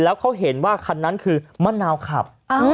แล้วเขาเห็นว่าคันนั้นคือมะนาวขับ